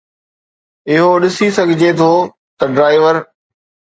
اهو ڏسي سگهجي ٿو ته ڊرائيور